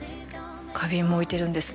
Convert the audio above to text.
花瓶も置いてるんですね